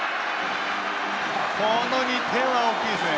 この２点は大きいですね。